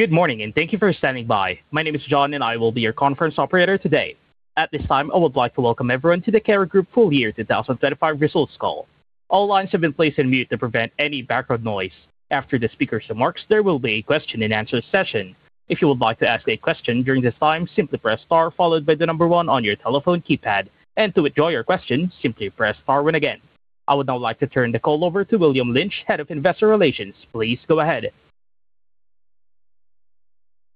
Good morning and thank you for standing by. My name is John, and I will be your conference operator today. At this time, I would like to welcome everyone to the Kerry Group full year 2025 results call. All lines have been placed on mute to prevent any background noise. After the speaker's remarks, there will be a question-and-answer session. If you would like to ask a question during this time, simply press star followed by the number one on your telephone keypad, and to withdraw your question, simply press star one again. I would now like to turn the call over to William Lynch, Head of Investor Relations. Please go ahead.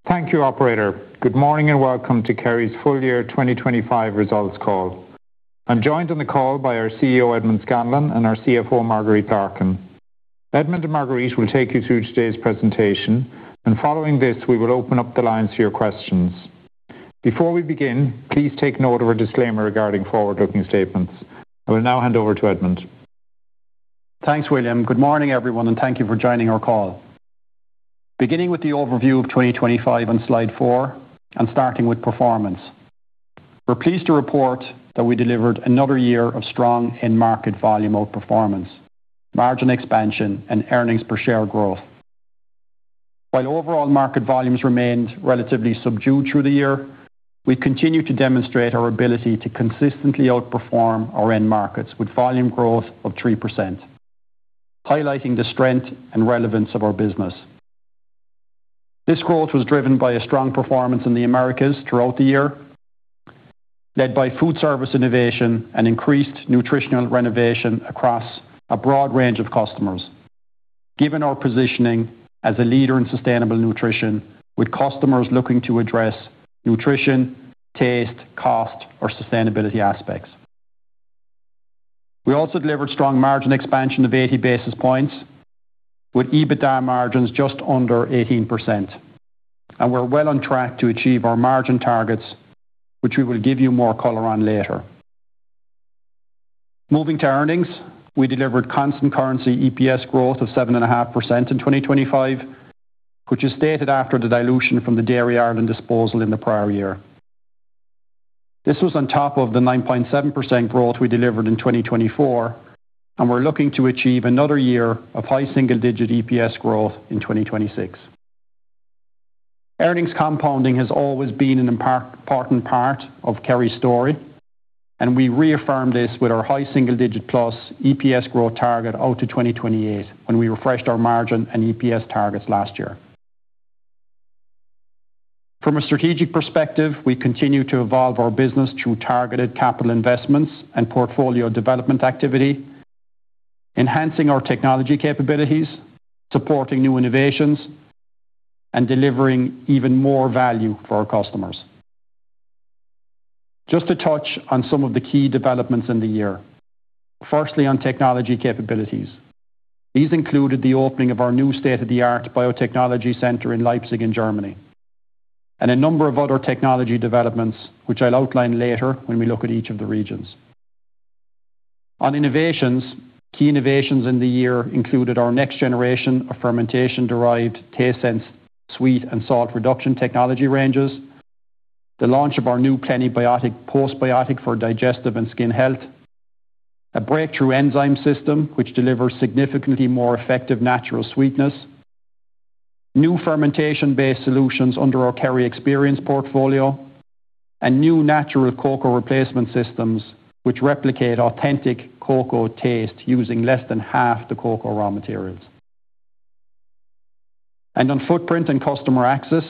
Thank you, operator. Good morning, and welcome to Kerry's full year 2025 results call. I'm joined on the call by our CEO, Edmond Scanlon, and our CFO, Marguerite Larkin. Edmond and Marguerite will take you through today's presentation, and following this, we will open up the lines to your questions. Before we begin, please take note of our disclaimer regarding forward-looking statements. I will now hand over to Edmond. Thanks, William. Good morning, everyone, and thank you for joining our call. Beginning with the overview of 2025 on slide four and starting with performance. We're pleased to report that we delivered another year of strong end market volume outperformance, margin expansion, and earnings per share growth. While overall market volumes remained relatively subdued through the year, we continue to demonstrate our ability to consistently outperform our end markets with volume growth of 3%, highlighting the strength and relevance of our business. This growth was driven by a strong performance in the Americas throughout the year, led by foodservice innovation and increased nutritional renovation across a broad range of customers. Given our positioning as a leader in sustainable nutrition, with customers looking to address nutrition, taste, cost, or sustainability aspects. We also delivered strong margin expansion of 80 basis points, with EBITDA margins just under 18%, and we're well on track to achieve our margin targets, which we will give you more color on later. Moving to earnings, we delivered constant currency EPS growth of 7.5% in 2025, which is stated after the dilution from the Dairy Ireland disposal in the prior year. This was on top of the 9.7% growth we delivered in 2024, and we're looking to achieve another year of high single-digit EPS growth in 2026. Earnings compounding has always been an important part of Kerry's story, and we reaffirmed this with our high single-digit plus EPS growth target out to 2028, when we refreshed our margin and EPS targets last year. From a strategic perspective, we continue to evolve our business through targeted capital investments and portfolio development activity, enhancing our technology capabilities, supporting new innovations, and delivering even more value for our customers. Just to touch on some of the key developments in the year. Firstly, on technology capabilities. These included the opening of our new state-of-the-art biotechnology center in Leipzig, in Germany, and a number of other technology developments, which I'll outline later when we look at each of the regions. On innovations, key innovations in the year included our next generation of fermentation-derived taste solutions, sweet and salt reduction technology ranges, the launch of our new Plenibiotic postbiotic for digestive and skin health, a breakthrough enzyme system, which delivers significantly more effective natural sweetness, new fermentation-based solutions under our KerryXperience portfolio, and new natural cocoa replacement systems, which replicate authentic cocoa taste using less than half the cocoa raw materials. On footprint and customer access,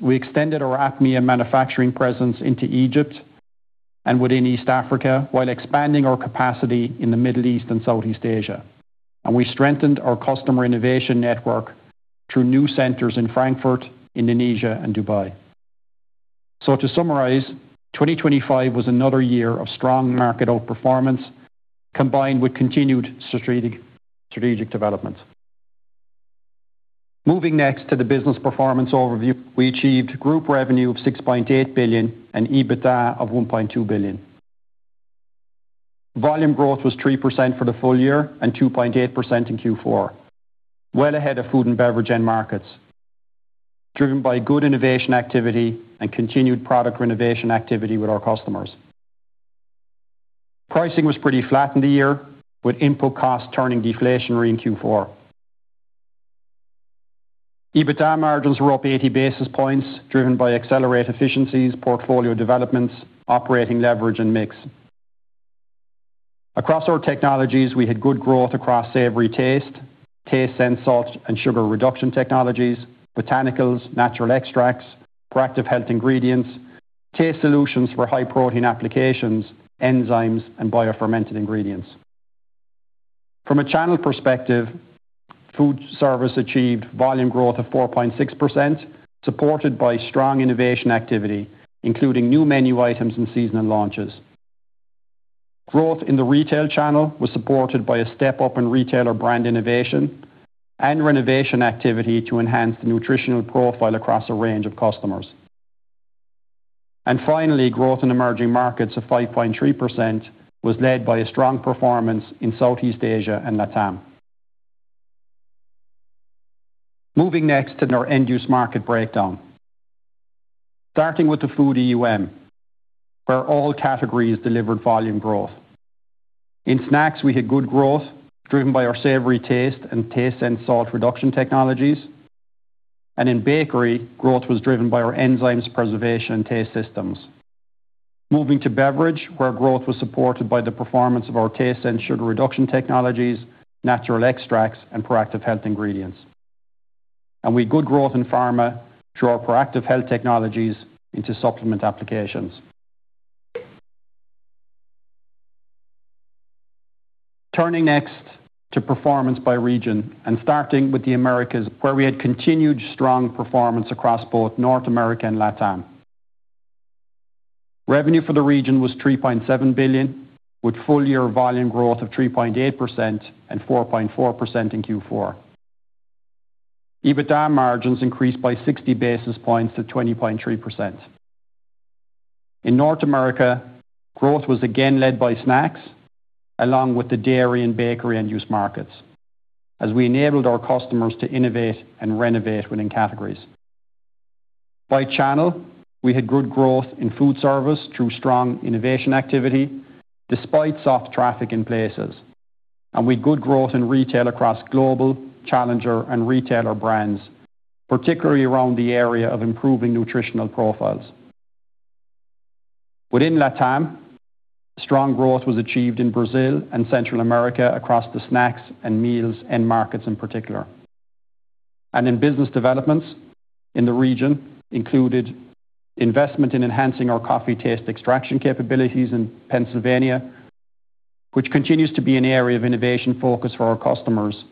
we extended our APMEA manufacturing presence into Egypt and within East Africa, while expanding our capacity in the Middle East and Southeast Asia. We strengthened our customer innovation network through new centers in Frankfurt, Indonesia and Dubai. To summarize, 2025 was another year of strong market outperformance, combined with continued strategic developments. Moving next to the business performance overview. We achieved group revenue of 6.8 billion and EBITDA of 1.2 billion. Volume growth was 3% for the full year and 2.8% in Q4, well ahead of food and beverage end markets, driven by good innovation activity and continued product renovation activity with our customers. Pricing was pretty flat in the year, with input costs turning deflationary in Q4. EBITDA margins were up 80 basis points, driven by Accelerate efficiencies, portfolio developments, operating leverage and mix. Across our technologies, we had good growth across savoury taste, taste and salt and sugar reduction technologies, botanicals, natural extracts, proactive health ingredients, taste solutions for high-protein applications, enzymes, and biofermented ingredients. From a channel perspective, foodservice achieved volume growth of 4.6%, supported by strong innovation activity, including new menu items and seasonal launches. Growth in the retail channel was supported by a step up in retailer brand innovation and renovation activity to enhance the nutritional profile across a range of customers. And finally, growth in emerging markets of 5.3% was led by a strong performance in Southeast Asia and LATAM. Moving next to our end-use market breakdown. Starting with the Food EUM, where all categories delivered volume growth. In snacks, we had good growth, driven by our savoury taste and taste and salt reduction technologies. And in bakery, growth was driven by our enzymes, preservation, and taste systems. Moving to Beverage, where growth was supported by the performance of our taste and sugar reduction technologies, natural extracts, and proactive health ingredients. And we had good growth in Pharma through our proactive health technologies into supplement applications. Turning next to performance by region and starting with the Americas, where we had continued strong performance across both North America and LATAM. Revenue for the region was 3.7 billion, with full year volume growth of 3.8% and 4.4% in Q4. EBITDA margins increased by 60 basis points to 20.3%. In North America, growth was again led by snacks, along with the dairy and bakery end-use markets, as we enabled our customers to innovate and renovate within categories. By channel, we had good growth in foodservice through strong innovation activity, despite soft traffic in places, and we had good growth in retail across global, challenger, and retailer brands, particularly around the area of improving nutritional profiles. Within LATAM, strong growth was achieved in Brazil and Central America across the snacks and meals end markets in particular. In business developments in the region included investment in enhancing our coffee taste extraction capabilities in Pennsylvania, which continues to be an area of innovation focus for our customers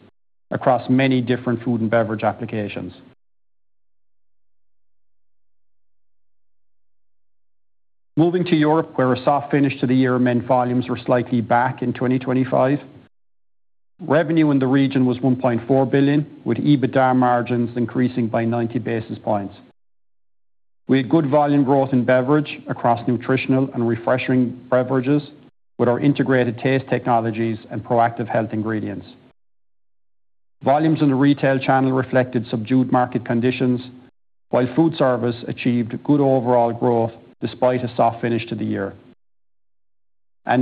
across many different food and beverage applications. Moving to Europe, where a soft finish to the year meant volumes were slightly back in 2025. Revenue in the region was 1.4 billion, with EBITDA margins increasing by 90 basis points. We had good volume growth in beverage across nutritional and refreshing beverages with our integrated taste technologies and proactive health ingredients. Volumes in the retail channel reflected subdued market conditions, while foodservice achieved good overall growth despite a soft finish to the year.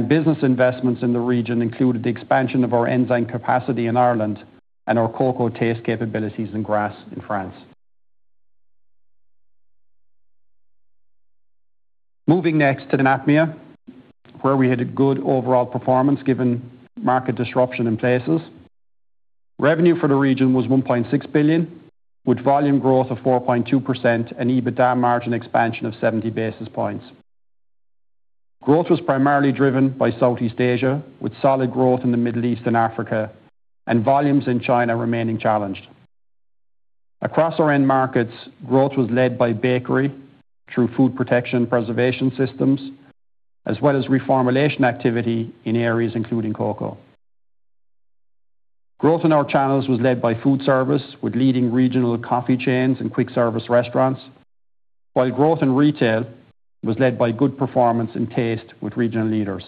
Business investments in the region included the expansion of our enzyme capacity in Ireland and our cocoa taste capabilities in Grasse in France. Moving next to the APMEA, where we had a good overall performance, given market disruption in places. Revenue for the region was 1.6 billion, with volume growth of 4.2% and EBITDA margin expansion of 70 basis points. Growth was primarily driven by Southeast Asia, with solid growth in the Middle East and Africa, and volumes in China remaining challenged. Across our end markets, growth was led by bakery through food protection preservation systems, as well as reformulation activity in areas including cocoa. Growth in our channels was led by foodservice, with leading regional coffee chains and quick service restaurants, while growth in retail was led by good performance and taste with regional leaders.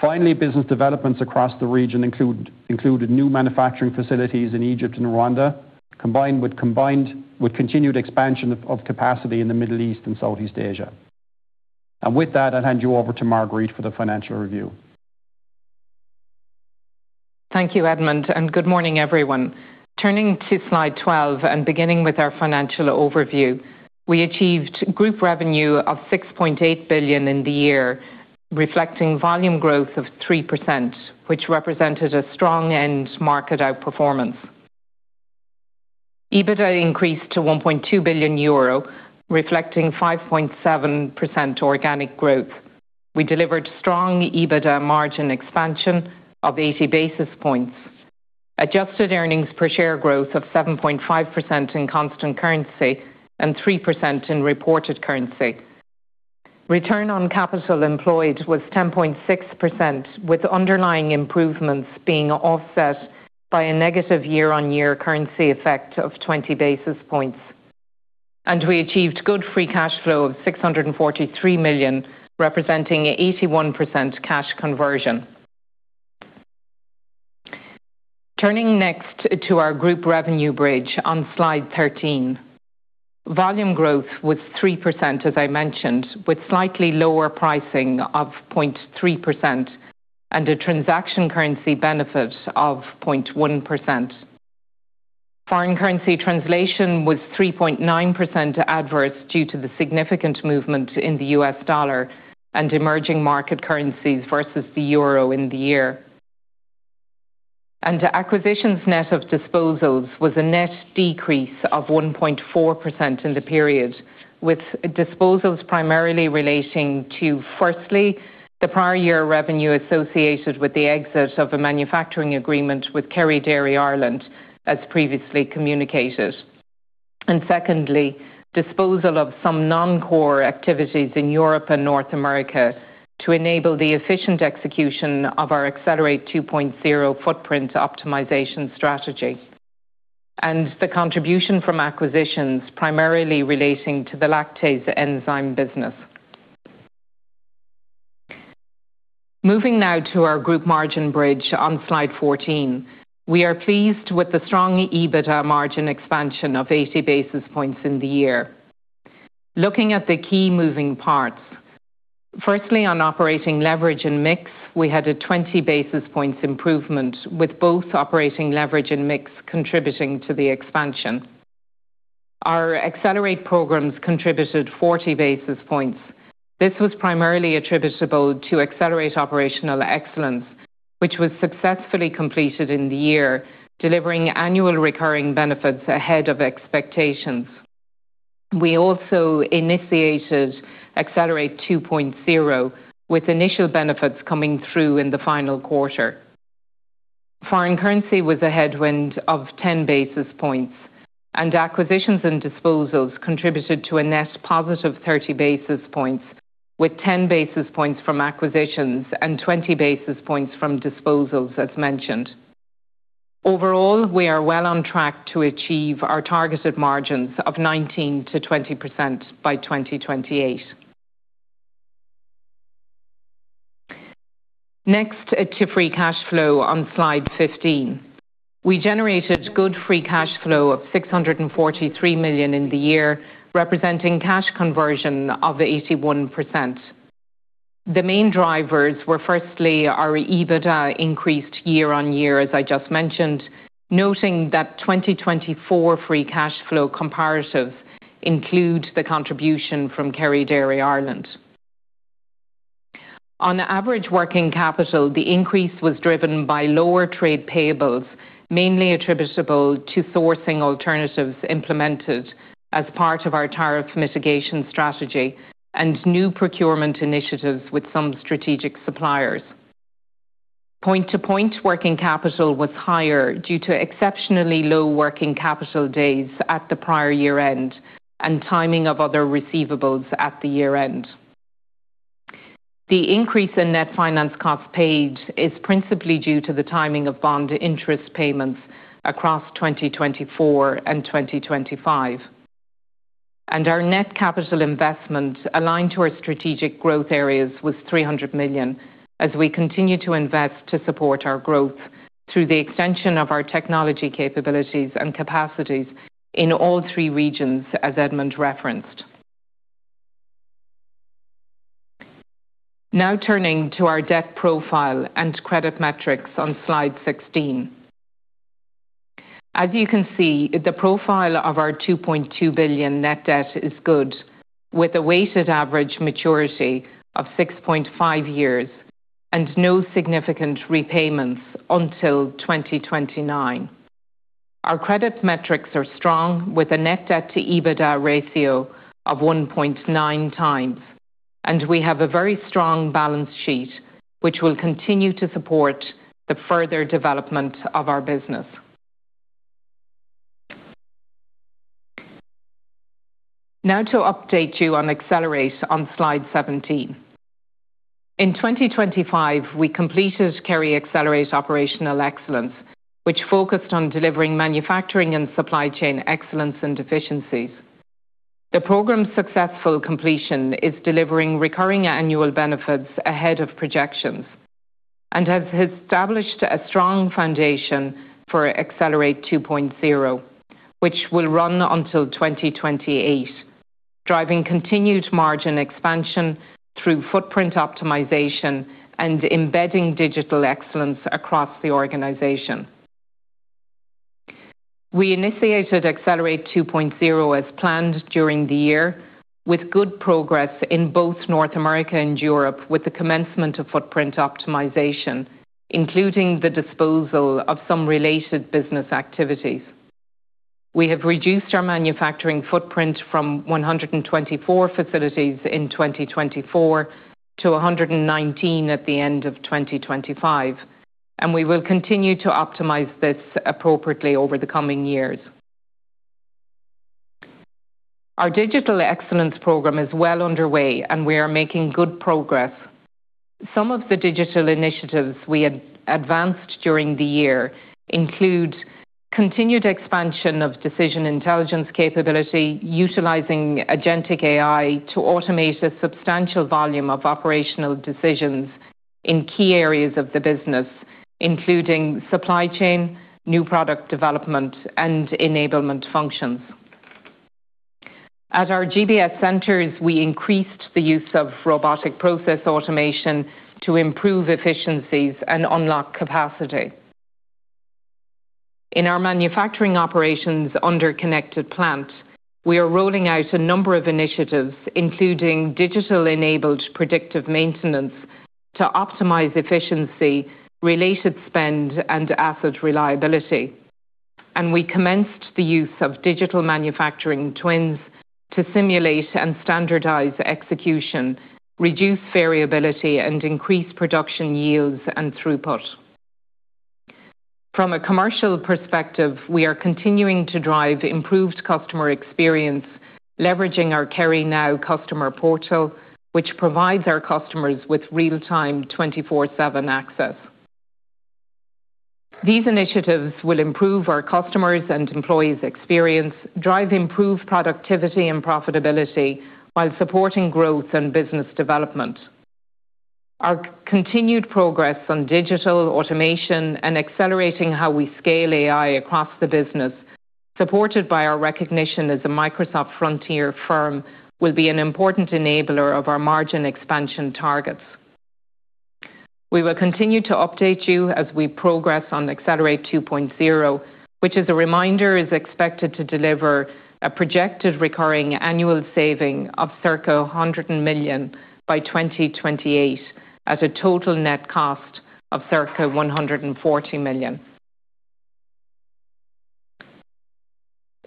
Finally, business developments across the region included new manufacturing facilities in Egypt and Rwanda, combined with continued expansion of capacity in the Middle East and Southeast Asia. With that, I'll hand you over to Marguerite for the financial review. Thank you, Edmond, and good morning, everyone. Turning to slide 12 and beginning with our financial overview, we achieved group revenue of 6.8 billion in the year, reflecting volume growth of 3%, which represented a strong end market outperformance. EBITDA increased to 1.2 billion euro, reflecting 5.7% organic growth. We delivered strong EBITDA margin expansion of 80 basis points, adjusted earnings per share growth of 7.5% in constant currency and 3% in reported currency. Return on capital employed was 10.6%, with underlying improvements being offset by a negative year-on-year currency effect of 20 basis points. We achieved good free cash flow of 643 million, representing 81% cash conversion. Turning next to our group revenue bridge on slide 13. Volume growth was 3%, as I mentioned, with slightly lower pricing of 0.3% and a transaction currency benefit of 0.1%. Foreign currency translation was 3.9% adverse due to the significant movement in the US dollar and emerging market currencies versus the euro in the year. Acquisitions net of disposals was a net decrease of 1.4% in the period, with disposals primarily relating to, firstly, the prior year revenue associated with the exit of a manufacturing agreement with Kerry Dairy Ireland, as previously communicated. Secondly, disposal of some non-core activities in Europe and North America to enable the efficient execution of our Accelerate 2.0 footprint optimisation strategy. The contribution from acquisitions, primarily relating to the lactase enzyme business. Moving now to our group margin bridge on slide 14. We are pleased with the strong EBITDA margin expansion of 80 basis points in the year. Looking at the key moving parts, firstly, on operating leverage and mix, we had a 20 basis points improvement, with both operating leverage and mix contributing to the expansion. Our Accelerate programmes contributed 40 basis points. This was primarily attributable to Accelerate operational excellence, which was successfully completed in the year, delivering annual recurring benefits ahead of expectations. We also initiated Accelerate 2.0, with initial benefits coming through in the final quarter. Foreign currency was a headwind of 10 basis points, and acquisitions and disposals contributed to a net positive 30 basis points, with 10 basis points from acquisitions and 20 basis points from disposals, as mentioned. Overall, we are well on track to achieve our targeted margins of 19%-20% by 2028. Next, to free cash flow on slide 15. We generated good free cash flow of 643 million in the year, representing cash conversion of 81%. The main drivers were, firstly, our EBITDA increased year on year, as I just mentioned, noting that 2024 free cash flow comparatives include the contribution from Kerry Dairy Ireland. On average, working capital, the increase was driven by lower trade payables, mainly attributable to sourcing alternatives implemented as part of our tariff mitigation strategy and new procurement initiatives with some strategic suppliers. Point-to-point working capital was higher due to exceptionally low working capital days at the prior year-end and timing of other receivables at the year-end. The increase in net finance costs paid is principally due to the timing of bond interest payments across 2024 and 2025. Our net capital investment, aligned to our strategic growth areas, was 300 million as we continue to invest to support our growth through the extension of our technology capabilities and capacities in all three regions, as Edmond referenced. Now, turning to our debt profile and credit metrics on slide 16. As you can see, the profile of our 2.2 billion net debt is good, with a weighted average maturity of 6.5 years and no significant repayments until 2029. Our credit metrics are strong, with a net debt to EBITDA ratio of 1.9x, and we have a very strong balance sheet, which will continue to support the further development of our business. Now to update you on Accelerate on slide 17. In 2025, we completed Kerry Accelerate Operational Excellence, which focused on delivering manufacturing and supply chain excellence and efficiencies. The programme's successful completion is delivering recurring annual benefits ahead of projections and has established a strong foundation for Accelerate 2.0, which will run until 2028, driving continued margin expansion through footprint optimisation and embedding digital excellence across the organization. We initiated Accelerate 2.0 as planned during the year, with good progress in both North America and Europe, with the commencement of footprint optimisation, including the disposal of some related business activities. We have reduced our manufacturing footprint from 124 facilities in 2024 to 119 at the end of 2025, and we will continue to optimize this appropriately over the coming years. Our digital excellence programme is well underway, and we are making good progress. Some of the digital initiatives we had advanced during the year include continued expansion of decision intelligence capability, utilizing agentic AI to automate a substantial volume of operational decisions in key areas of the business, including supply chain, new product development, and enablement functions. At our GBS centers, we increased the use of robotic process automation to improve efficiencies and unlock capacity. In our manufacturing operations under Connected Plant, we are rolling out a number of initiatives, including digital-enabled predictive maintenance, to optimize efficiency, related spend, and asset reliability. We commenced the use of digital manufacturing twins to simulate and standardize execution, reduce variability, and increase production yields and throughput. From a commercial perspective, we are continuing to drive improved customer experience, leveraging our KerryNow customer portal, which provides our customers with real-time 24/7 access. These initiatives will improve our customers' and employees' experience, drive improved productivity and profitability, while supporting growth and business development. Our continued progress on digital automation and accelerating how we scale AI across the business, supported by our recognition as a Microsoft Frontier firm, will be an important enabler of our margin expansion targets. We will continue to update you as we progress on Accelerate 2.0, which, as a reminder, is expected to deliver a projected recurring annual saving of circa 100 million by 2028, at a total net cost of circa 140 million.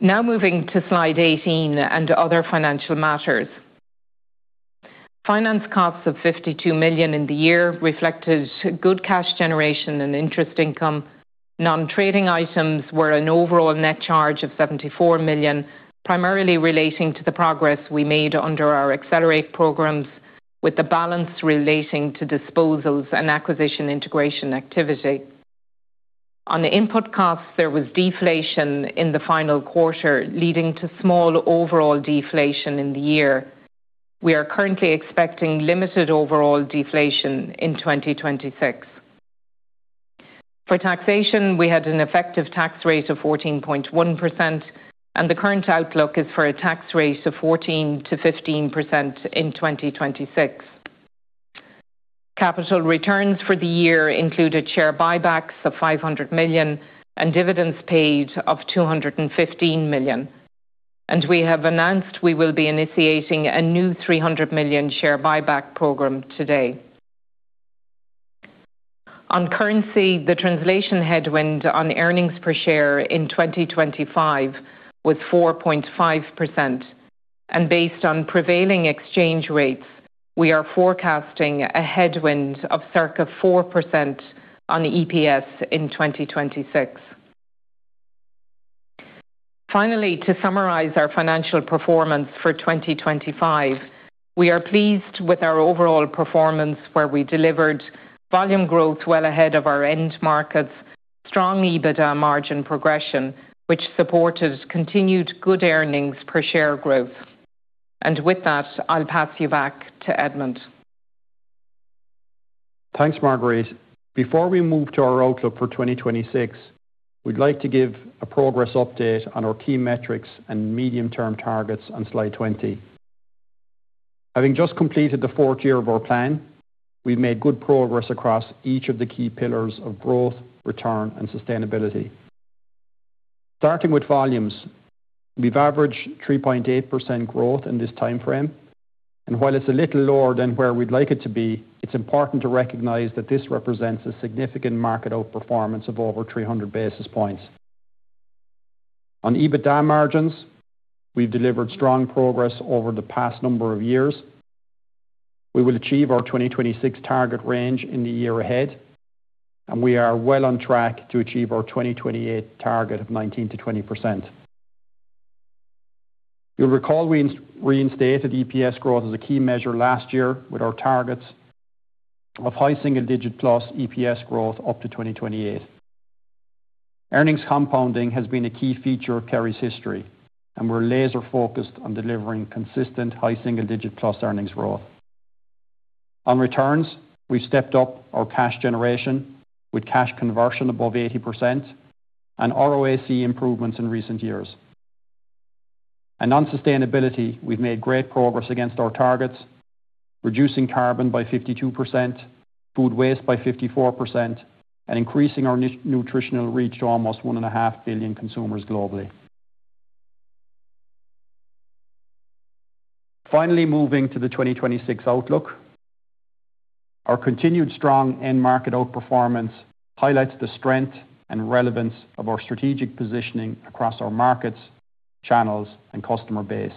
Now moving to slide 18 and other financial matters. Finance costs of 52 million in the year reflected good cash generation and interest income. Nontrading items were an overall net charge of 74 million, primarily relating to the progress we made under our Accelerate programmes, with the balance relating to disposals and acquisition integration activity. On the input costs, there was deflation in the final quarter, leading to small overall deflation in the year. We are currently expecting limited overall deflation in 2026. For taxation, we had an effective tax rate of 14.1%, and the current outlook is for a tax rate of 14%-15% in 2026. Capital returns for the year included share buybacks of 500 million and dividends paid of 215 million, and we have announced we will be initiating a new 300 million share buyback programme today. On currency, the translation headwind on earnings per share in 2025 was 4.5%, and based on prevailing exchange rates, we are forecasting a headwind of circa 4% on EPS in 2026. Finally, to summarize our financial performance for 2025, we are pleased with our overall performance, where we delivered volume growth well ahead of our end markets, strong EBITDA margin progression, which supported continued good earnings per share growth. And with that, I'll pass you back to Edmond. Thanks, Marguerite. Before we move to our outlook for 2026, we'd like to give a progress update on our key metrics and medium-term targets on slide 20. Having just completed the fourth year of our plan, we've made good progress across each of the key pillars of growth, return, and sustainability. Starting with volumes, we've averaged 3.8% growth in this time frame, and while it's a little lower than where we'd like it to be, it's important to recognize that this represents a significant market outperformance of over 300 basis points. On EBITDA margins, we've delivered strong progress over the past number of years. We will achieve our 2026 target range in the year ahead, and we are well on track to achieve our 2028 target of 19%-20%. You'll recall we reinstated EPS growth as a key measure last year with our targets of high single-digit plus EPS growth up to 2028. Earnings compounding has been a key feature of Kerry's history, and we're laser focused on delivering consistent high single-digit plus earnings growth. On returns, we've stepped up our cash generation with cash conversion above 80% and ROACE improvements in recent years. On sustainability, we've made great progress against our targets, reducing carbon by 52%, food waste by 54%, and increasing our nutritional reach to almost 1.5 billion consumers globally. Finally, moving to the 2026 outlook. Our continued strong end-market outperformance highlights the strength and relevance of our strategic positioning across our markets, channels, and customer base.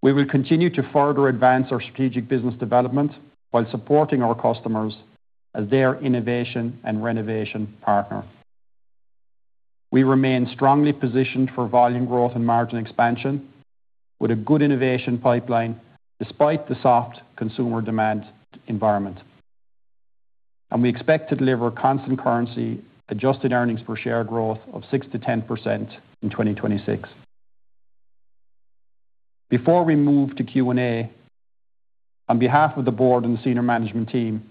We will continue to further advance our strategic business development while supporting our customers as their innovation and renovation partner. We remain strongly positioned for volume growth and margin expansion with a good innovation pipeline despite the soft consumer demand environment, and we expect to deliver constant currency, adjusted earnings per share growth of 6%-10% in 2026. Before we move to Q&A, on behalf of the board and senior management team,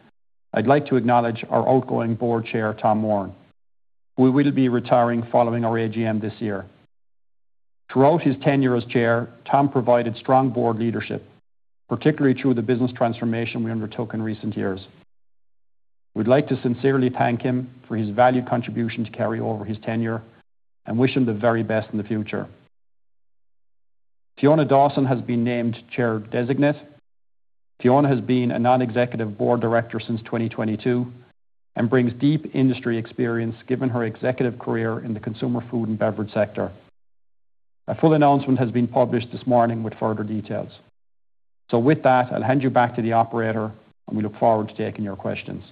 I'd like to acknowledge our outgoing board chair, Tom Moran, who will be retiring following our AGM this year. Throughout his tenure as chair, Tom provided strong board leadership, particularly through the business transformation we undertook in recent years. We'd like to sincerely thank him for his valued contribution to Kerry over his tenure and wish him the very best in the future. Fiona Dawson has been named chair designate. Fiona has been a non-executive board director since 2022 and brings deep industry experience, given her executive career in the consumer food and beverage sector. A full announcement has been published this morning with further details. With that, I'll hand you back to the operator, and we look forward to taking your questions.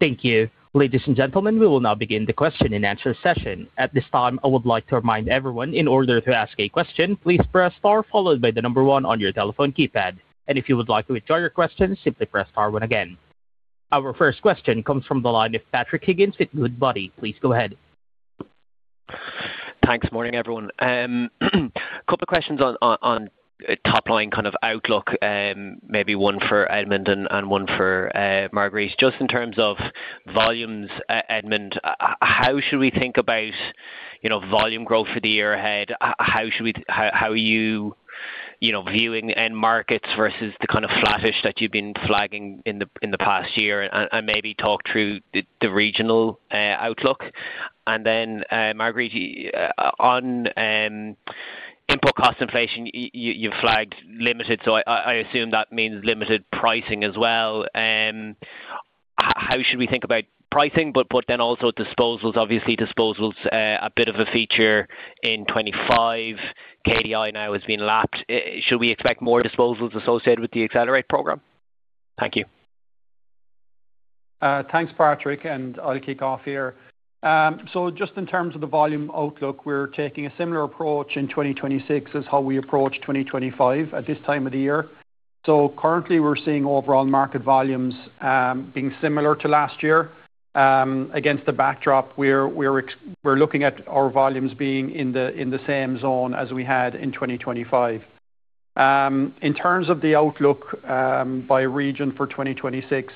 Thank you. Ladies and gentlemen, we will now begin the question-and-answer session. At this time, I would like to remind everyone, in order to ask a question, please press star followed by one on your telephone keypad. If you would like to withdraw your question, simply press star one again. Our first question comes from the line of Patrick Higgins with Goodbody. Please go ahead. Thanks. Morning, everyone. Couple of questions on top line kind of outlook, maybe one for Edmond and one for Marguerite. Just in terms of volumes, Edmond, how should we think about, you know, volume growth for the year ahead? How are you, you know, viewing end markets versus the kind of flattish that you've been flagging in the past year? And maybe talk through the regional outlook. And then, Marguerite, on input cost inflation, you've flagged limited, so I assume that means limited pricing as well. How should we think about pricing? But then also disposals. Obviously, disposals a bit of a feature in 2025. KDI now has been lapped. Should we expect more disposals associated with the Accelerate programme? Thank you. Thanks, Patrick, and I'll kick off here. So just in terms of the volume outlook, we're taking a similar approach in 2026 as how we approached 2025 at this time of the year. So currently, we're seeing overall market volumes being similar to last year. Against the backdrop, we're looking at our volumes being in the same zone as we had in 2025. In terms of the outlook by region for 2026,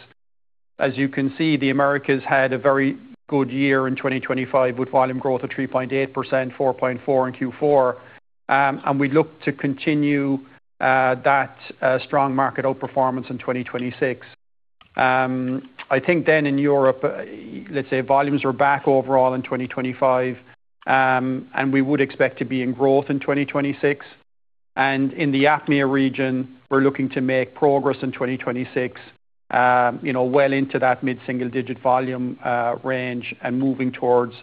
as you can see, the Americas had a very good year in 2025, with volume growth of 3.8%, 4.4% in Q4. And we look to continue that strong market outperformance in 2026. I think then in Europe, let's say volumes are back overall in 2025, and we would expect to be in growth in 2026. And in the APMEA region, we're looking to make progress in 2026, you know, well into that mid-single-digit volume range and moving towards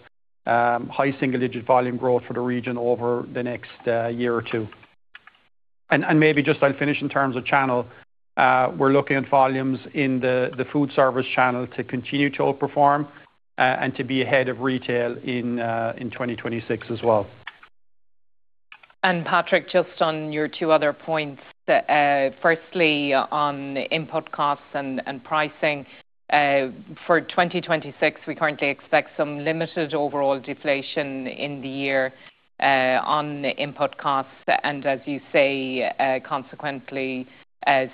high single-digit volume growth for the region over the next year or two. And maybe just I'll finish in terms of channel. We're looking at volumes in the foodservice channel to continue to outperform, and to be ahead of retail in 2026 as well. And Patrick, just on your two other points. Firstly, on input costs and pricing, for 2026, we currently expect some limited overall deflation in the year, on input costs, and as you say, consequently,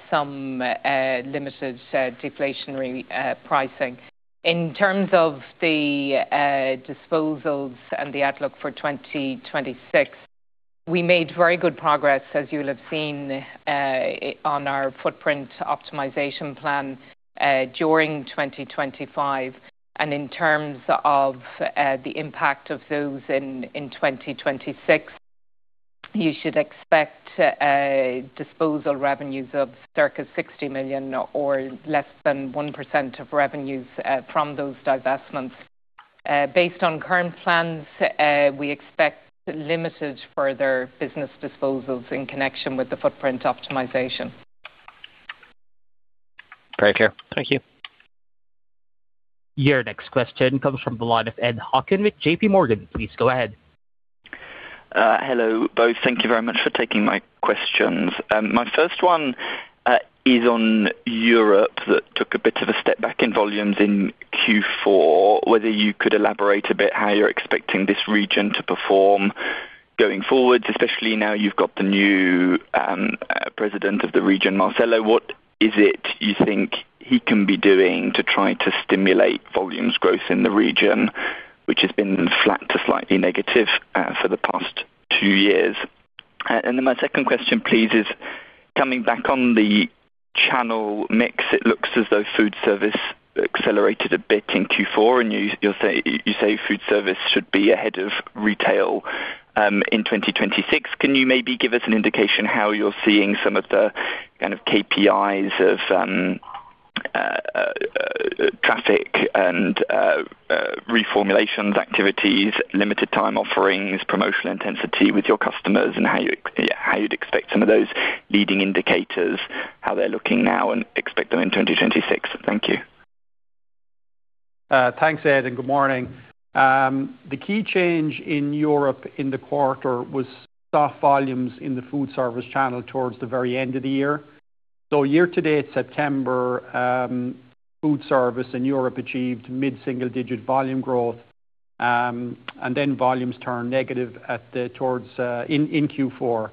some limited deflationary pricing. In terms of the disposals and the outlook for 2026, we made very good progress, as you'll have seen, on our footprint optimisation plan, during 2025. And in terms of the impact of those in 2026, you should expect disposal revenues of circa 60 million or less than 1% of revenues, from those divestments. Based on current plans, we expect limited further business disposals in connection with the footprint optimisation. Very clear. Thank you. Your next question comes from the line of Ed Hockin with JPMorgan. Please go ahead. Hello both. Thank you very much for taking my questions. My first one is on Europe, that took a bit of a step back in volumes in Q4. Whether you could elaborate a bit how you're expecting this region to perform going forward, especially now you've got the new president of the region, Marcelo. What is it you think he can be doing to try to stimulate volumes growth in the region, which has been flat to slightly negative for the past two years? And then my second question, please, is coming back on the channel mix. It looks as though foodservice accelerated a bit in Q4, and you say foodservice should be ahead of retail in 2026. Can you maybe give us an indication how you're seeing some of the kind of KPIs of traffic and reformulation activities, limited time offerings, promotional intensity with your customers, and how you, how you'd expect some of those leading indicators, how they're looking now and expect them in 2026? Thank you. Thanks, Ed, and good morning. The key change in Europe in the quarter was soft volumes in the foodservice channel towards the very end of the year. So year to date, September, foodservice in Europe achieved mid-single digit volume growth, and then volumes turned negative towards in Q4.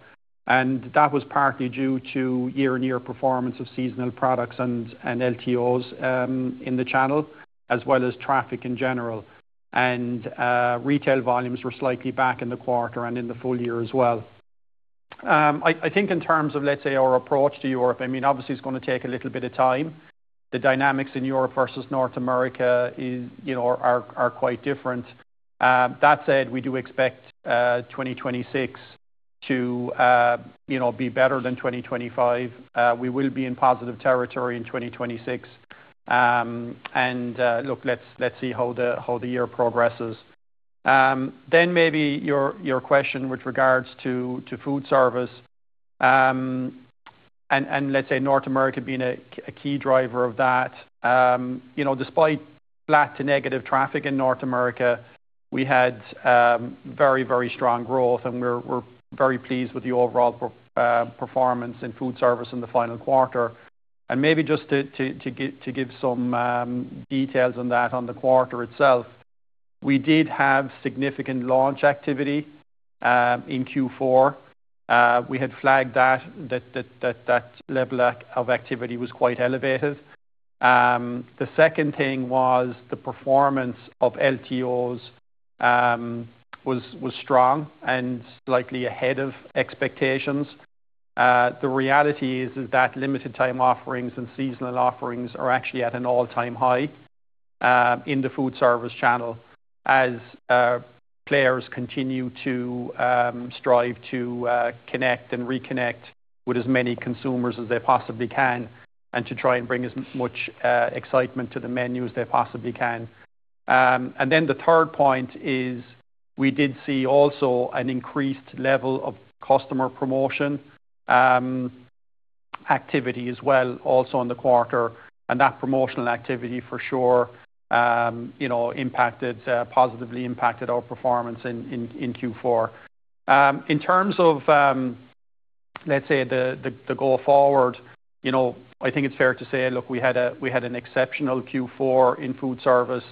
And that was partly due to year-on-year performance of seasonal products and LTOs in the channel, as well as traffic in general. And retail volumes were slightly back in the quarter and in the full year as well. I think in terms of, let's say, our approach to Europe, I mean, obviously it's gonna take a little bit of time. The dynamics in Europe versus North America is, you know, are quite different. That said, we do expect 2026 to, you know, be better than 2025. We will be in positive territory in 2026. And, look, let's see how the year progresses. Then maybe your question with regards to foodservice, and let's say North America being a key driver of that. You know, despite flat to negative traffic in North America, we had very strong growth, and we're very pleased with the overall performance in foodservice in the final quarter. And maybe just to give some details on that on the quarter itself, we did have significant launch activity in Q4. We had flagged that level of activity was quite elevated. The second thing was the performance of LTOs was strong and slightly ahead of expectations. The reality is that limited time offerings and seasonal offerings are actually at an all-time high in the foodservice channel, as players continue to strive to connect and reconnect with as many consumers as they possibly can, and to try and bring as much excitement to the menu as they possibly can. And then the third point is, we did see also an increased level of customer promotion activity as well, also in the quarter, and that promotional activity, for sure, you know, positively impacted our performance in Q4. In terms of, let's say, the go forward, you know, I think it's fair to say, look, we had an exceptional Q4 in foodservice.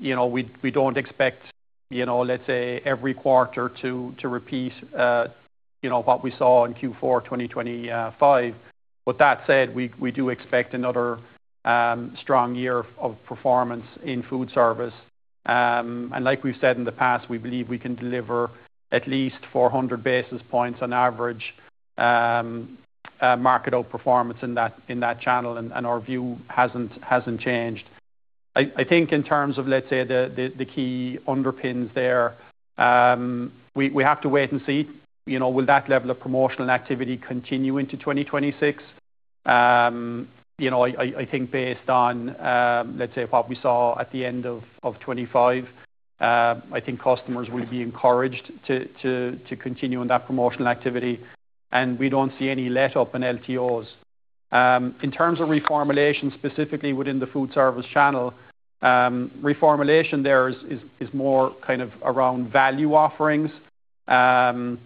You know, we don't expect, you know, let's say every quarter to repeat what we saw in Q4 2025. With that said, we do expect another strong year of performance in foodservice. And like we've said in the past, we believe we can deliver at least 400 basis points on average market outperformance in that channel, and our view hasn't changed. I think in terms of, let's say, the key underpins there, we have to wait and see. You know, will that level of promotional activity continue into 2026? You know, I think based on, let's say what we saw at the end of 2025, I think customers will be encouraged to continue on that promotional activity, and we don't see any letup in LTOs. In terms of reformulation, specifically within the foodservice channel, reformulation there is more kind of around value offerings. And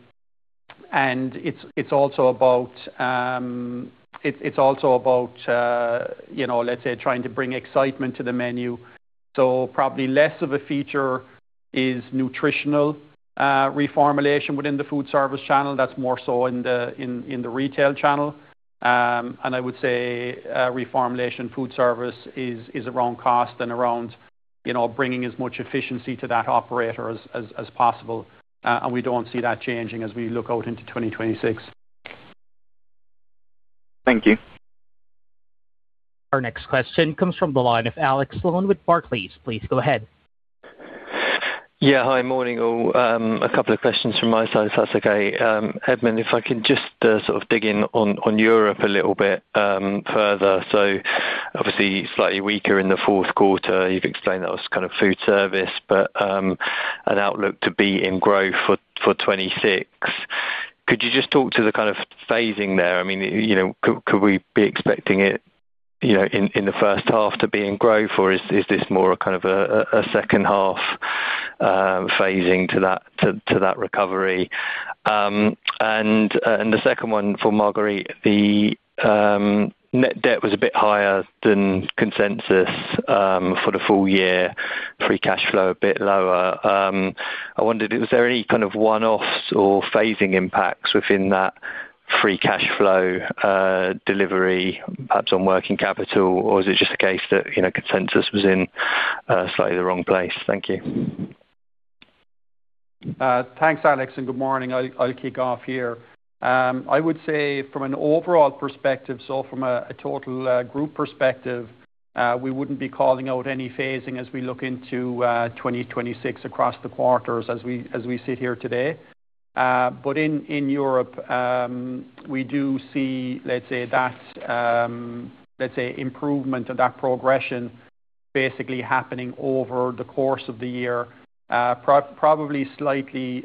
it's also about, you know, let's say trying to bring excitement to the menu. So probably less of a feature is nutritional reformulation within the foodservice channel. That's more so in the retail channel. And I would say, reformulation foodservice is around cost and around, you know, bringing as much efficiency to that operator as possible. We don't see that changing as we look out into 2026. Thank you. Our next question comes from the line of Alex Sloane with Barclays. Please go ahead. Yeah. Hi, morning, all. A couple of questions from my side, if that's okay. Edmond, if I can just sort of dig in on Europe a little bit further. So obviously, slightly weaker in the fourth quarter. You've explained that was kind of foodservice, but an outlook to be in growth for 2026. Could you just talk to the kind of phasing there? I mean, you know, could we be expecting it, you know, in the first half to be in growth, or is this more a kind of a second half phasing to that recovery? And the second one for Marguerite. The net debt was a bit higher than consensus for the full year, free cash flow a bit lower. I wondered, was there any kind of one-offs or phasing impacts within that free cash flow delivery, perhaps on working capital? Or is it just a case that, you know, consensus was in, slightly the wrong place? Thank you. Thanks, Alex, and good morning. I'll kick off here. I would say from an overall perspective, so from a total group perspective, we wouldn't be calling out any phasing as we look into 2026 across the quarters as we sit here today. But in Europe, we do see, let's say, that, let's say improvement and that progression basically happening over the course of the year. Probably slightly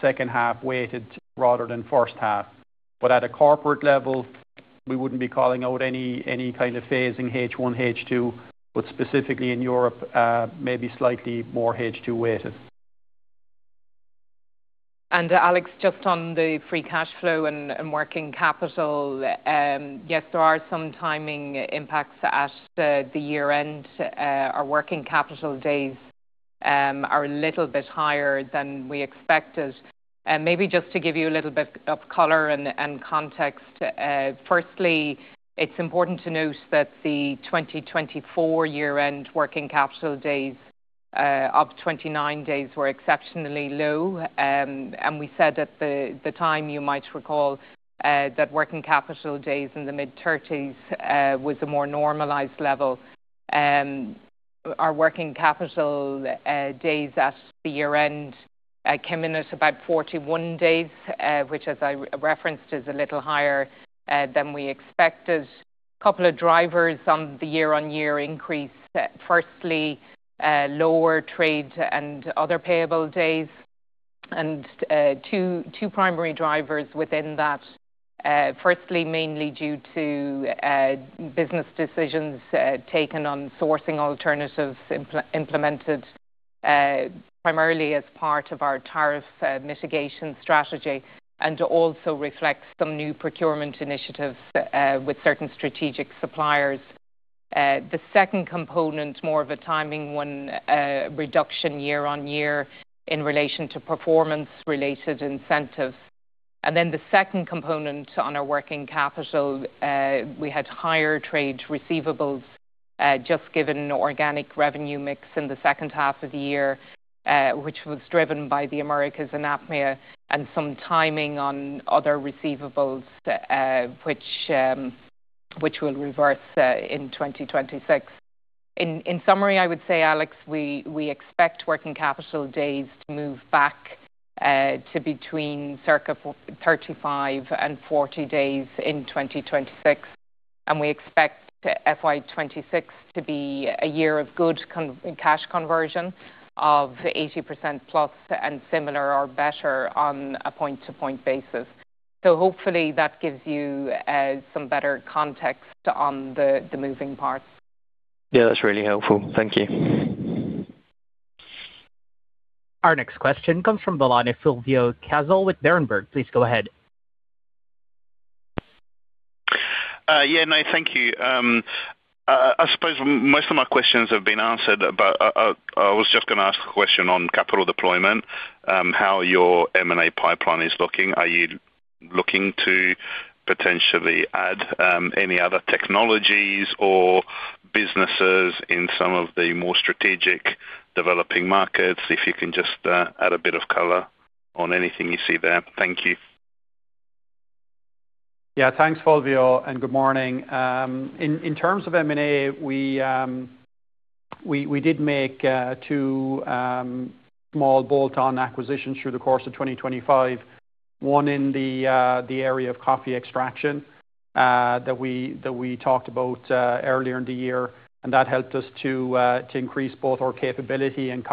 second half weighted rather than first half. But at a corporate level, we wouldn't be calling out any kind of phasing H1, H2, but specifically in Europe, maybe slightly more H2 weighted. And Alex, just on the free cash flow and working capital, yes, there are some timing impacts at the year-end. Our working capital days are a little bit higher than we expected. Maybe just to give you a little bit of color and context, firstly, it's important to note that the 2024 year-end working capital days of 29 days were exceptionally low. And we said at the time, you might recall, that working capital days in the mid-30s was a more normalized level. Our working capital days at the year-end came in at about 41 days, which, as I referenced, is a little higher than we expected. Couple of drivers on the year-on-year increase. Firstly, lower trade and other payable days, and two primary drivers within that. Firstly, mainly due to business decisions taken on sourcing alternatives implemented primarily as part of our tariff mitigation strategy and to also reflect some new procurement initiatives with certain strategic suppliers. The second component, more of a timing one, reduction year-on-year in relation to performance-related incentives. And then the second component on our working capital, we had higher trade receivables just given organic revenue mix in the second half of the year, which was driven by the Americas and APMEA, and some timing on other receivables, which will reverse in 2026. In summary, I would say, Alex, we expect working capital days to move back to between circa 35 and 40 days in 2026, and we expect FY 2026 to be a year of good cash conversion of 80%+ and similar or better on a point-to-point basis. So hopefully that gives you some better context on the moving parts. Yeah, that's really helpful. Thank you. Our next question comes from the line of Fulvio Cazzol with Berenberg. Please go ahead. Yeah, no, thank you. I suppose most of my questions have been answered, but I was just gonna ask a question on capital deployment, how your M&A pipeline is looking. Are you looking to potentially add any other technologies or businesses in some of the more strategic developing markets? If you can just add a bit of color on anything you see there. Thank you. Yeah, thanks, Fulvio, and good morning. In terms of M&A, we did make two small bolt-on acquisitions through the course of 2025. One in the area of coffee extraction that we talked about earlier in the year, and that helped us to increase both our capability and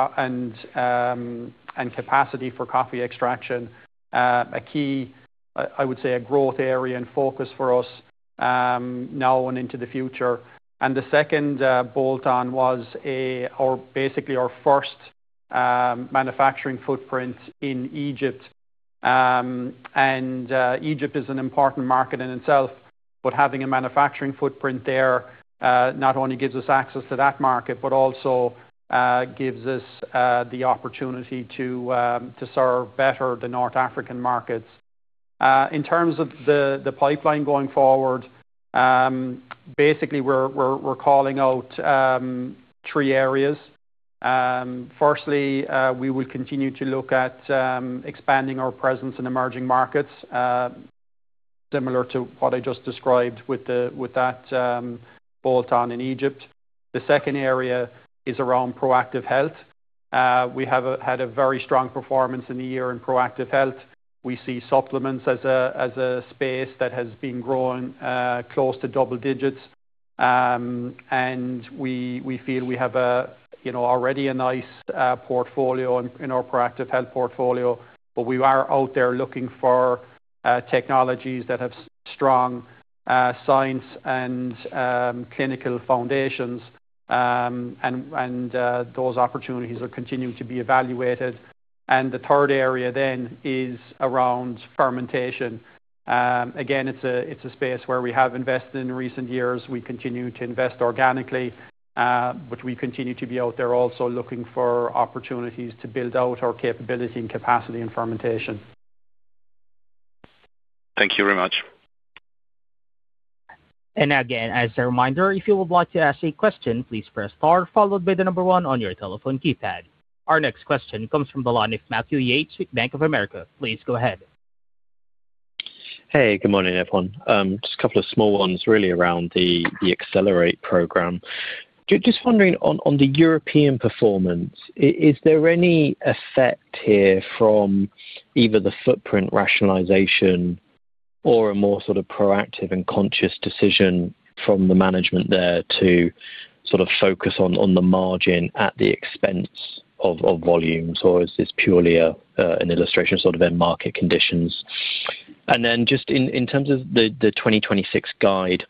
capacity for coffee extraction. A key, I would say, a growth area and focus for us now and into the future. And the second bolt-on was, or basically, our first manufacturing footprint in Egypt. And Egypt is an important market in itself, but having a manufacturing footprint there not only gives us access to that market but also gives us the opportunity to serve better the North African markets. In terms of the pipeline going forward, basically, we're calling out three areas. Firstly, we will continue to look at expanding our presence in emerging markets, similar to what I just described with that bolt-on in Egypt. The second area is around proactive health. We have had a very strong performance in the year in proactive health. We see supplements as a space that has been growing close to double digits. And we feel we have, you know, already a nice portfolio in our proactive health portfolio, but we are out there looking for technologies that have strong science and clinical foundations. And those opportunities are continuing to be evaluated. And the third area then is around fermentation. Again, it's a space where we have invested in recent years. We continue to invest organically, but we continue to be out there also looking for opportunities to build out our capability and capacity in fermentation. Thank you very much. Again, as a reminder, if you would like to ask a question, please press star, followed by the number one on your telephone keypad. Our next question comes from the line of Matthew Yates, with Bank of America. Please go ahead. Hey, good morning, everyone. Just a couple of small ones, really around the Accelerate programme. Just wondering on the European performance, is there any effect here from either the footprint rationalization or a more sort of proactive and conscious decision from the management there to sort of focus on the margin at the expense of volumes? Or is this purely an illustration of sort of end market conditions? And then just in terms of the 2026 guide,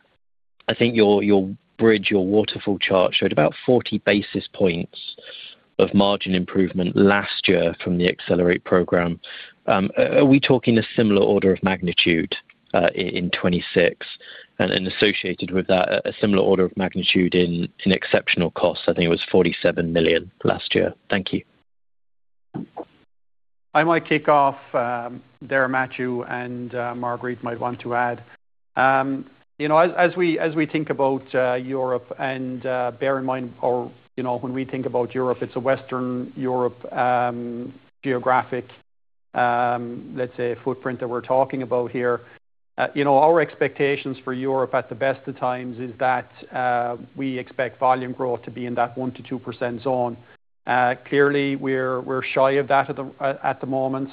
I think your bridge, your waterfall chart showed about 40 basis points of margin improvement last year from the Accelerate programme. Are we talking a similar order of magnitude in 2026? And associated with that, a similar order of magnitude in exceptional costs? I think it was 47 million last year. Thank you. I might kick off, there Matthew and, Marguerite might want to add. You know, as, as we, as we think about, Europe, and bear in mind or, you know, when we think about Europe, it's a Western Europe, geographic, let's say, footprint that we're talking about here. You know, our expectations for Europe at the best of times is that we expect volume growth to be in that 1%-2% zone. Clearly, we're, we're shy of that at the, at the moment.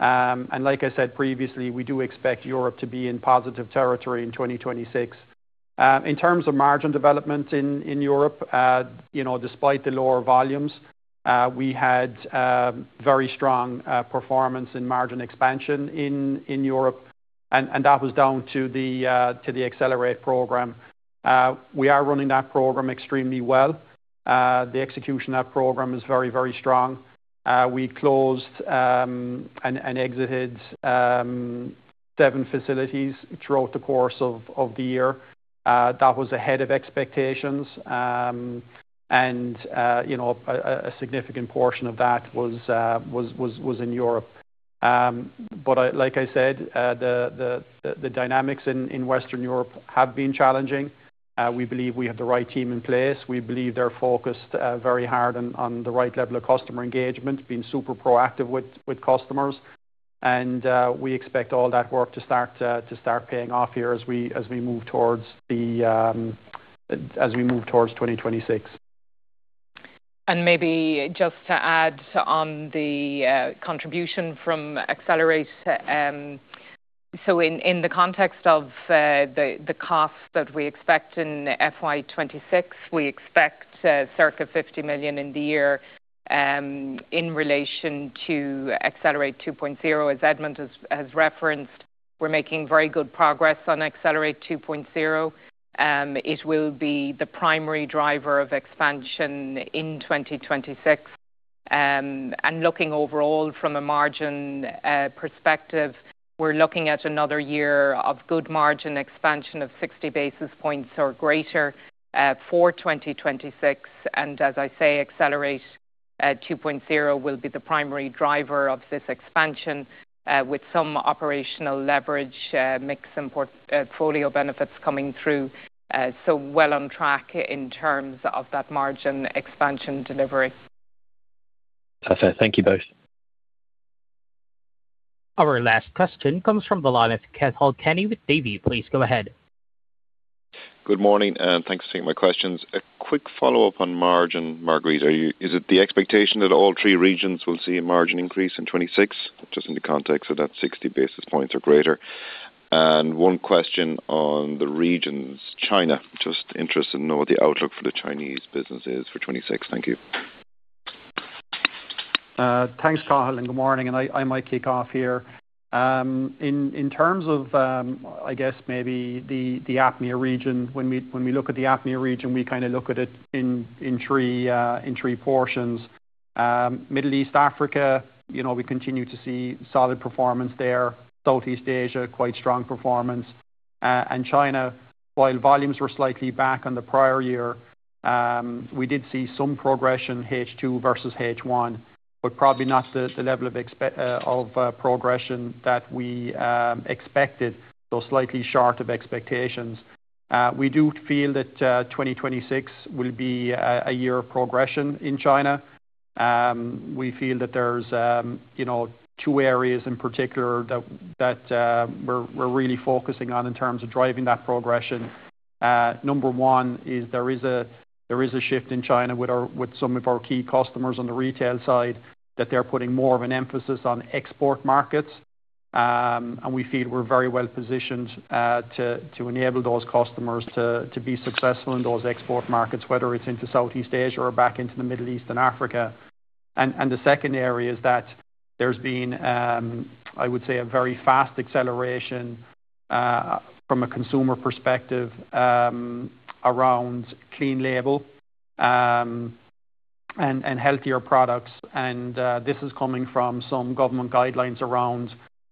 And like I said previously, we do expect Europe to be in positive territory in 2026. In terms of margin development in, in Europe, you know, despite the lower volumes, we had, very strong, performance in margin expansion in, in Europe. That was down to the Accelerate programme. We are running that programme extremely well. The execution of that programme is very, very strong. We closed and exited seven facilities throughout the course of the year. That was ahead of expectations. You know, a significant portion of that was in Europe. But like I said, the dynamics in Western Europe have been challenging. We believe we have the right team in place. We believe they're focused very hard on the right level of customer engagement, being super proactive with customers. We expect all that work to start paying off here as we move towards 2026. And maybe just to add on the contribution from Accelerate. So in the context of the costs that we expect in FY 2026, we expect circa 50 million in the year in relation to Accelerate 2.0. As Edmond has referenced, we're making very good progress on Accelerate 2.0. It will be the primary driver of expansion in 2026. And looking overall from a margin perspective, we're looking at another year of good margin expansion of 60 basis points or greater for 2026. And as I say, Accelerate 2.0 will be the primary driver of this expansion with some operational leverage, mix and portfolio benefits coming through, so well on track in terms of that margin expansion delivery. Fair enough. Thank you both. Our last question comes from the line of Cathal Kenny with Davy. Please go ahead. Good morning, and thanks for taking my questions. A quick follow-up on margin, Marguerite. Is it the expectation that all three regions will see a margin increase in 2026, just in the context of that 60 basis points or greater? And one question on the regions, China. Just interested to know what the outlook for the Chinese business is for 2026. Thank you. Thanks, Cathal, and good morning, and I, I might kick off here. In terms of, I guess maybe the APMEA region, when we look at the APMEA region, we kinda look at it in three portions. Middle East, Africa, you know, we continue to see solid performance there. Southeast Asia, quite strong performance. And China, while volumes were slightly back on the prior year, we did see some progression, H2 versus H1, but probably not the level of progression that we expected, so slightly short of expectations. We do feel that twenty twenty-six will be a year of progression in China. We feel that there's, you know, two areas in particular that we're really focusing on in terms of driving that progression. Number one is there is a shift in China with some of our key customers on the retail side, that they're putting more of an emphasis on export markets. And we feel we're very well positioned to enable those customers to be successful in those export markets, whether it's into Southeast Asia or back into the Middle East and Africa. And the second area is that there's been, I would say, a very fast acceleration from a consumer perspective around clean label and healthier products. And this is coming from some government guidelines around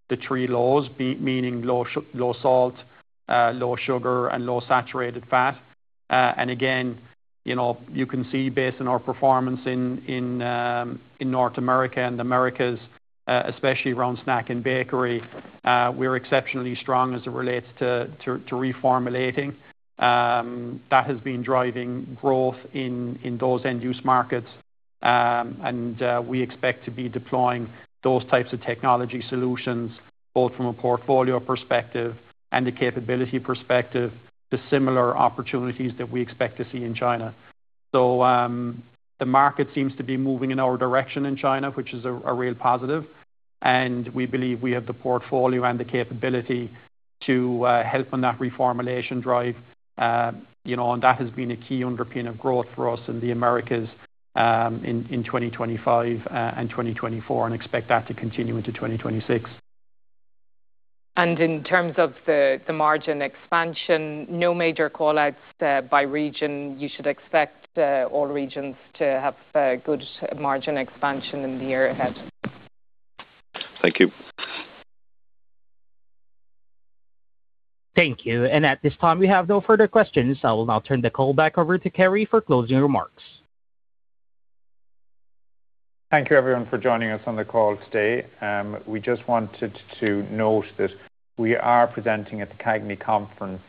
the three lows, meaning low salt, low sugar, and low saturated fat. And again, you know, you can see based on our performance in North America and the Americas, especially around snack and bakery, we're exceptionally strong as it relates to reformulating. That has been driving growth in those end-use markets. And we expect to be deploying those types of technology solutions, both from a portfolio perspective, and a capability perspective, to similar opportunities that we expect to see in China. So, the market seems to be moving in our direction in China, which is a real positive, and we believe we have the portfolio and the capability to help on that reformulation drive. You know, that has been a key underpin of growth for us in the Americas in 2025 and 2024 and expect that to continue into 2026. In terms of the margin expansion, no major call-outs by region. You should expect all regions to have good margin expansion in the year ahead. Thank you. Thank you. At this time, we have no further questions. I will now turn the call back over to Kerry for closing remarks. Thank you, everyone, for joining us on the call today. We just wanted to note that we are presenting at the CAGNY Conference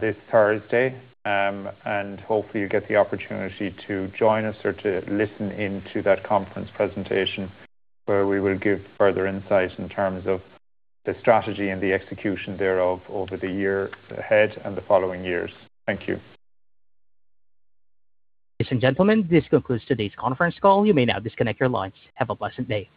this Thursday. Hopefully you get the opportunity to join us or to listen in to that conference presentation, where we will give further insight in terms of the strategy and the execution thereof over the year ahead and the following years. Thank you. Ladies and gentlemen, this concludes today's conference call. You may now disconnect your lines. Have a blessed day.